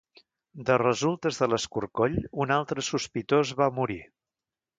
De resultes de l'escorcoll, un altre sospitós va morir.